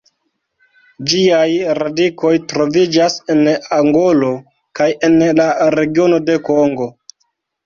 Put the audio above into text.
Ĝiaj radikoj troviĝas en Angolo kaj en la regiono de Kongo.